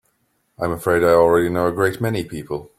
I'm afraid I already know a great many people.